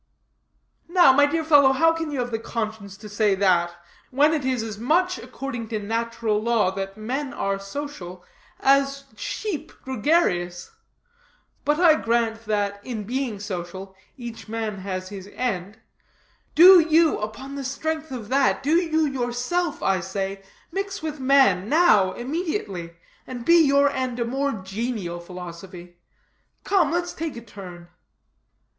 "Now, my dear fellow, how can you have the conscience to say that, when it is as much according to natural law that men are social as sheep gregarious. But grant that, in being social, each man has his end, do you, upon the strength of that, do you yourself, I say, mix with man, now, immediately, and be your end a more genial philosophy. Come, let's take a turn."